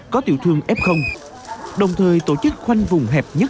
có tiểu thương ép bệnh